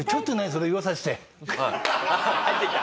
あっ入ってきた！